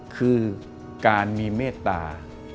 คือการมีเมตตา